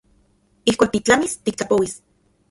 Ijkuak titlamis tiktlapouis.